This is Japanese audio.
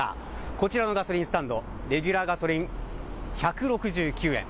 こちらのガソリンスタンド、レギュラーガソリン１６９円。